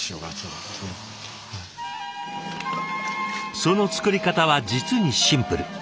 その作り方は実にシンプル。